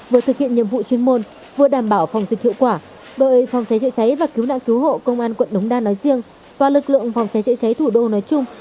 vừa thực hiện nhiệm vụ chuyên môn vừa đảm bảo phòng dịch hiệu quả đội phòng cháy chữa cháy và cứu nạn cứu hộ công an quận đống đa nói riêng và lực lượng phòng cháy chữa cháy thủ đô nói chung